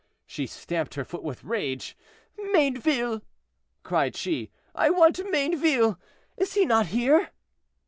She stamped her foot with rage. "Mayneville!" cried she, "I want Mayneville. Is he not here?"